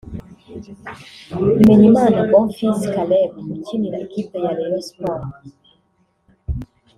Bimenyimana Bonfils Caleb ukinira ikipe ya Rayon Sports